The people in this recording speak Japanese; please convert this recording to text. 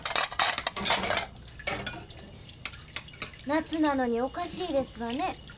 夏なのにおかしいですわね。